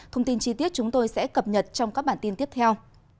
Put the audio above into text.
thông tin chi tiết chúng tôi sẽ cập nhật trong các bản tin tiếp theo